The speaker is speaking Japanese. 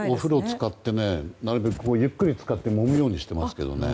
お風呂、なるべくゆっくり浸かってもむようにしてますけどね。